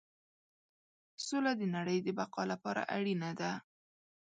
سوله د نړۍ د بقا لپاره اړینه ده.